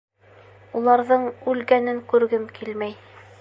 — Уларҙың үлгәнен күргем килмәй.